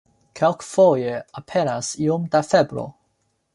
Kelkfoje aperas iom da febro.